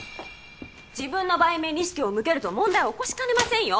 自分の売名に意識を向けると問題を起こしかねませんよ